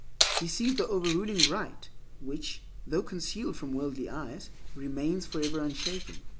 He sees the overruling Right which, though concealed from worldly eyes, remains forever unshaken.